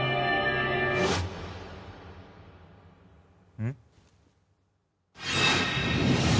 うん？